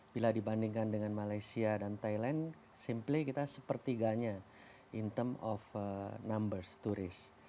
bila dibandingkan dengan malaysia dan thailand kita sepertiganya dalam jumlah turis